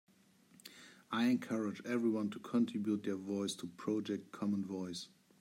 I encourage everyone to contribute their voice to Project Common Voice.